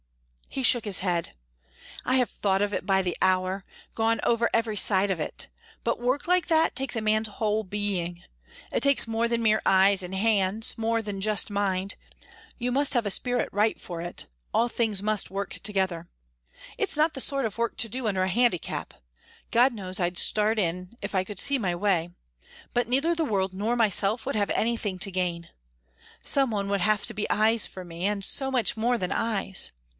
He shook his head. "I have thought of it by the hour gone over every side of it. But work like that takes a man's whole being. It takes more than mere eyes and hands more than just mind. You must have the spirit right for it all things must work together. It's not the sort of work to do under a handicap. God knows I'd start in if I could see my way but neither the world nor myself would have anything to gain. Some one would have to be eyes for me and so much more than eyes.